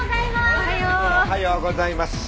おはようございます。